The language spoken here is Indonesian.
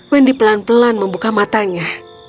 wendy pelan pelan membuka matanya